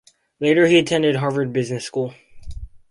Later he attended Harvard Business School.